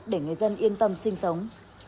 để người dân yên tâm sinh sống